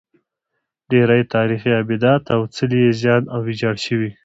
ډېری تاریخي ابدات او څلي یې زیان او یا ویجاړ شوي.